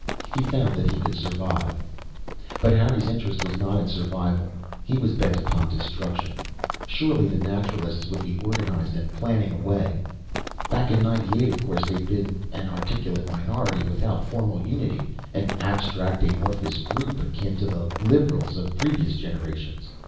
He found that he could survive. But Harry's interest was not in survival; he was bent upon destruction. Surely the Naturalists would be organized and planning a way! Back in '98, of course, they'd been merely an articulate minority without formal unity an abstract, amorphous group akin to the "Liberals" of previous generations.